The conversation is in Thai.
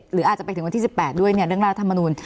หรืออาจจะไปถึงวันที่๑๘ด้วยเนี่ยเรื่องรัฐมนูล